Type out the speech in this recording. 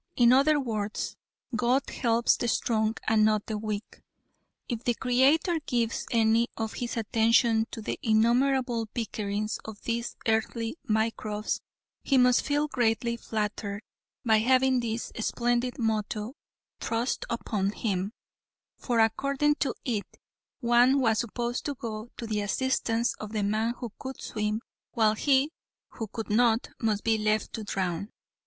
In other words, God helps the strong and not the weak. If the Creator gives any of His attention to the innumerable bickerings of these earthly microbes He must feel greatly flattered by having this splendid motto thrust upon Him, for according to it, one was supposed to go to the assistance of the man who could swim, while he who could not, must be left to drown.